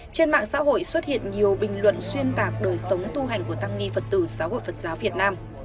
trên mạng xã hội xuất hiện nhiều bình luận xuyên tạc đời sống tu hành của tăng ni phật tử giáo hội phật giáo việt nam